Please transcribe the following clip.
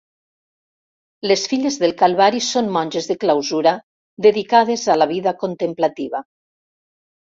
Les Filles del Calvari són monges de clausura, dedicades a la vida contemplativa.